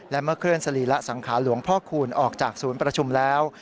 และเมื่อเคลื่อนสรีระสังขารหลวงพ่อคูณออกจากศูนย์ประชุมแล้ว